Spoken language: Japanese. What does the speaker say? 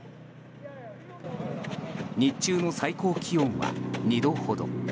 日中の最高気温は２度ほど。